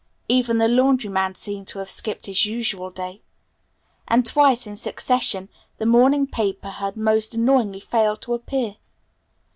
Even the laundryman seemed to have skipped his usual day; and twice in succession the morning paper had most annoyingly failed to appear.